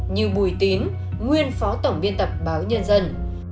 như bùi tín nguyên phó tổng biên tập báo nhân dân